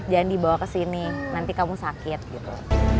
jangan dibawa kesini nanti kamu sakit gitu